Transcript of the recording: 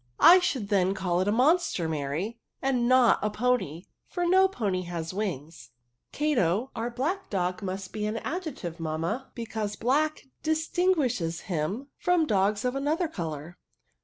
" I should then call it a monster, Mary, and not a pony, for no pony has wings," '^ Cato, our blac]c dog, must be an ad jective, mamma, because black distinguishes* him from dog3 of another colour."